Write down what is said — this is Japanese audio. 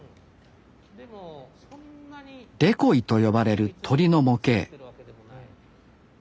デコイと呼ばれる鳥の模型